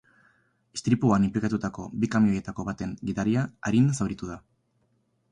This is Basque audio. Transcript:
Istripuan inplikatutako bi kamioietako baten gidaria arin zauritu da.